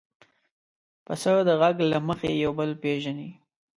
پسه د غږ له مخې یو بل پېژني.